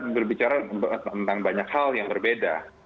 berbicara tentang banyak hal yang berbeda